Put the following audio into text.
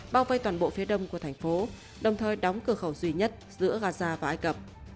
bao vây toàn bộ phía đông của thành phố đồng thời đóng cửa khẩu duy nhất giữa gaza và ai cập